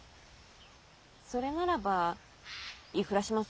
それならば言い触らします。